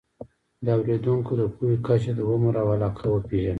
د اورېدونکو د پوهې کچه، عمر او علاقه وپېژنئ.